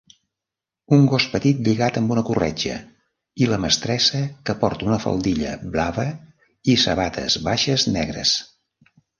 Un gos petit lligat amb una corretja i la mestressa que porta una faldilla blava i sabates baixes negres.